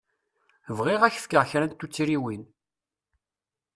Bɣiɣ ad k-d-fkeɣ kra n tuttriwin.